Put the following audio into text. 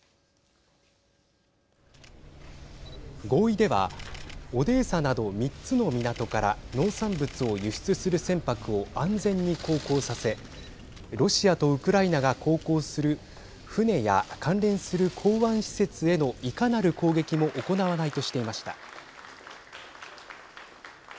合意では、オデーサなど３つの港から農産物を輸出する船舶を安全に航行させロシアとウクライナが航行する船や関連する港湾施設へのいかなる攻撃も行わないとしていました。